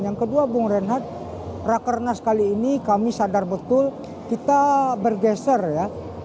yang kedua bung renhard raker nas kali ini kami sadar betul kita bergeser ya